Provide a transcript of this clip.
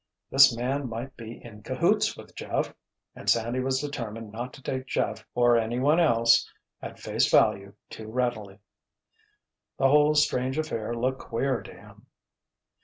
This man might be "in cahoots" with Jeff, and Sandy was determined not to take Jeff, or anyone else, at face value too readily. The whole strange affair looked "queer" to him.